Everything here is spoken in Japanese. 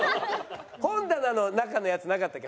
本棚の中のやつなかったっけ？